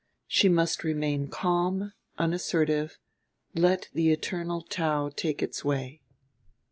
She must remain calm, unassertive, let the eternal Tao take its way.